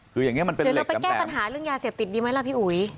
คืออย่างนี้มันเป็นเดี๋ยวเราไปแก้ปัญหาเรื่องยาเสพติดดีไหมล่ะพี่อุ๋ย